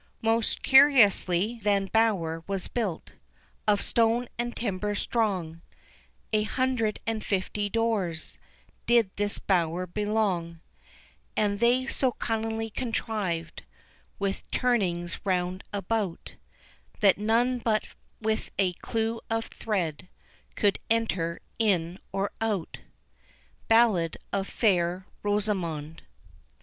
Most curiously that bower was built, Of stone and timber strong; An hundred and fifty doors Did to this bower belong; And they so cunningly contrived, With turnings round about, That none but with a clew of thread Could enter in or out. BALLAD OF FAIR ROSAMOND.